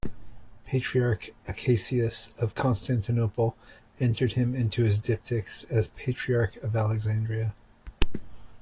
Patriarch Acacius of Constantinople entered him into his diptychs as Patriarch of Alexandria.